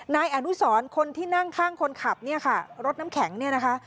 นายอนุสรคนที่นั่งข้างคนขับเนี่ยค่ะรถน้ำแข็งเนี่ยนะคะ